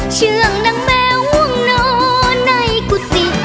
เชื่องนางแมวงนอนในกุฏิ